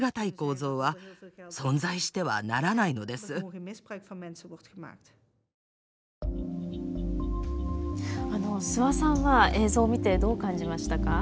諏訪さんは映像を見てどう感じましたか？